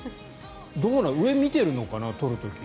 上、見てるのかな取る時。